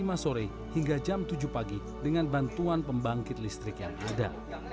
pemping berangkat dari jam lima sore hingga jam tujuh pagi dengan bantuan pembangkit listrik yang ada